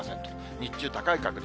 日中、高い確率。